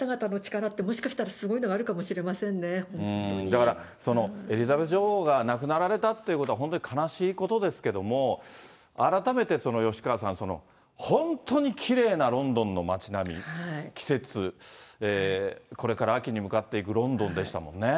だから、エリザベス女王が亡くなられたっていうことは、本当に悲しいことですけれども、改めて吉川さん、本当にきれいなロンドンの街並み、季節、これから秋に向かっていくロンドンでしたもんね。